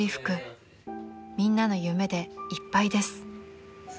みんなの夢でいっぱいです］